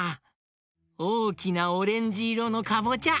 おおきなオレンジいろのかぼちゃ